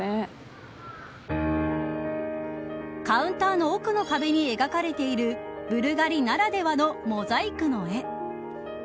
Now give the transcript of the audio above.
カウンターの奥の壁に描かれているブルガリならではのモザイクの絵。